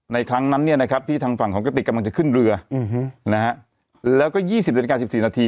ในครั้งนั้นเนี่ยนะครับทางฝั่งกระติกจะขึ้นเรือแล้วก็๒๐นาทิกา๑๔นาที